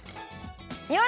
よし！